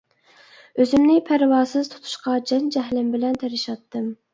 ئۆزۈمنى پەرۋاسىز تۇتۇشقا جان-جەھلىم بىلەن تىرىشاتتىم.